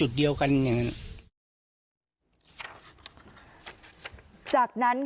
หญิงบอกว่าจะเป็นพี่ปวกหญิงบอกว่าจะเป็นพี่ปวก